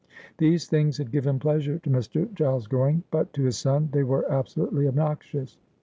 These things had given pleasure to Mr. Giles Goring, but to his son they were absolutely obnoxious.